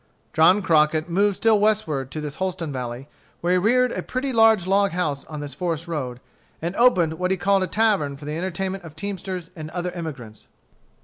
John Crockett moved still westward to this Holston valley, where he reared a pretty large log house on this forest road; and opened what he called a tavern for the entertainment of teamsters and other emigrants.